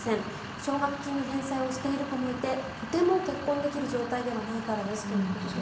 奨学金の返済をしている子もいてとても結婚できる状態ではないからですということです。